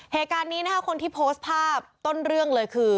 เหตุการณ์นี้นะคะคนที่โพสต์ภาพต้นเรื่องเลยคือ